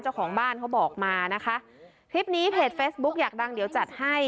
เจ้าของบ้านเขาบอกมานะคะคลิปนี้เพจเฟซบุ๊กอยากดังเดี๋ยวจัดให้